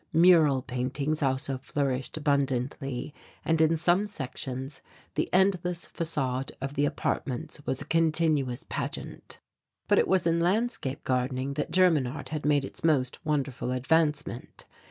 Mural paintings also flourished abundantly and in some sections the endless facade of the apartments was a continuous pageant. But it was in landscape gardening that German art had made its most wonderful advancement.